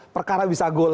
perkara bisa goal